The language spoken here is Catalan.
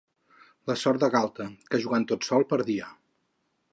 La sort de Galta, que jugant tot sol perdia.